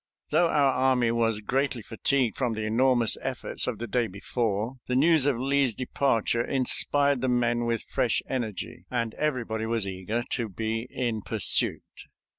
Though our army was greatly fatigued from the enormous efforts of the day before, the news of Lee's departure inspired the men with fresh energy, and everybody was eager to be in pursuit.